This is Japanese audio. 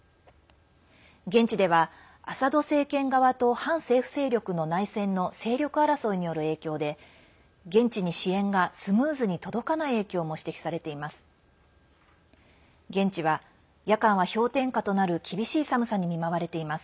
現地では、アサド政権側と反政府勢力の内戦の勢力争いによる影響で現地に支援がスムーズに届かない影響も指摘されています。